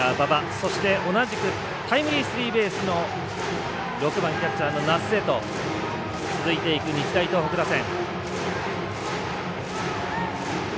そして、同じくタイムリースリーベースの６番キャッチャーの奈須へと続いていく、日大東北打線。